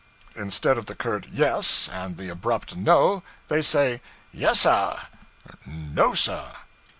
Instead of the curt Yes, and the abrupt No, they say 'Yes, Suh', 'No, Suh.'